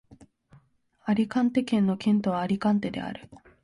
アリカンテ県の県都はアリカンテである